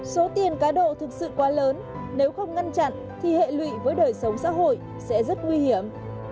số tiền cá độ thực sự quá lớn nếu không ngăn chặn thì hệ lụy với đời sống xã hội sẽ rất nguy hiểm